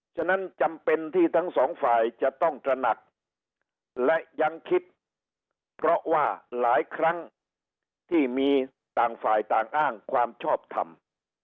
ฉะนั้นจำเป็นที่ทั้งสองฝ่ายจะต้องตระหนักและยังคิดเพราะว่าหลายครั้งที่มีต่างฝ่ายต่างอ้างความชอบทำ